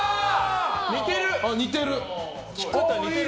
似てる！